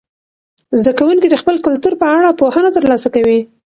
زده کوونکي د خپل کلتور په اړه پوهنه ترلاسه کوي.